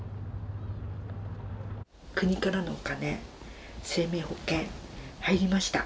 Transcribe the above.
国からのお金生命保険入りました。